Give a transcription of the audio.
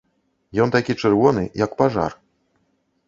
Ён такі чырвоны, як пажар.